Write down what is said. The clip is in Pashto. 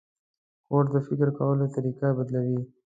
کورس د فکر کولو طریقه بدلوي.